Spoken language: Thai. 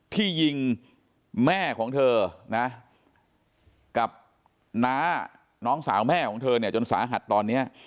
ที่ยิงแม่ของเธอนะกับน้าน้องสาวแม่ของเธอเนี่ยจนสาหัสตอนนี้